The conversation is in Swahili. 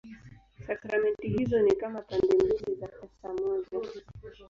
Sakramenti hizo ni kama pande mbili za pesa moja.